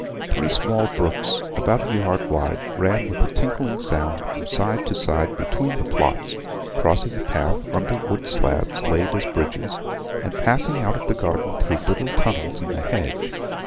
Three small brooks, about a yard wide, ran with a tinkling sound from side to side between the plots, crossing the path under wood slabs laid as bridges, and passing out of the garden through little tunnels in the hedge.